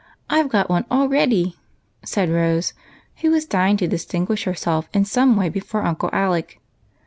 I 've got one all ready," said Rose, who was dying to distinguish herself in some way before Uncle Alec.